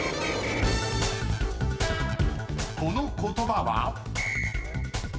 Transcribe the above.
［この言葉は？］